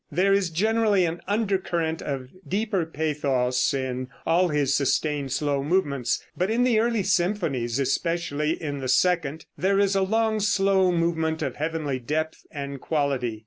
There is generally an undercurrent of deeper pathos in all his sustained slow movements, but in the earlier symphonies, especially in the second, there is a long slow movement of heavenly depth and quality.